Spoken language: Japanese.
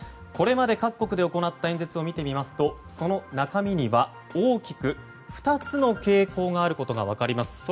これまで各国で行った演説を見てみますとその中身には、大きく２つの傾向があることが分かります。